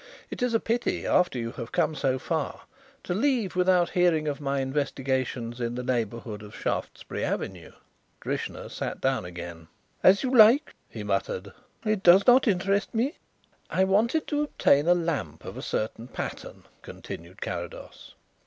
"It is a pity, after you have come so far, to leave without hearing of my investigations in the neighbourhood of Shaftesbury Avenue." Drishna sat down again. "As you like," he muttered. "It does not interest me." "I wanted to obtain a lamp of a certain pattern," continued Carrados.